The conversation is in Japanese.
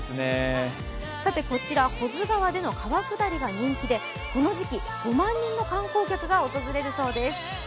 こちら、保津川での川下りが人気でこの時期、５万人の観光客が訪れるそうです。